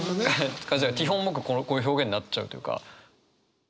基本僕こういう表現なっちゃうというか。